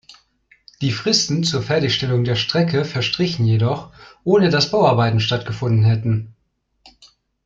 Die Fristen zur Fertigstellung der Strecke verstrichen jedoch, ohne dass Bauarbeiten stattgefunden hätten.